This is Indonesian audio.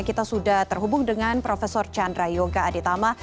kita sudah terhubung dengan prof chandrayoga aditama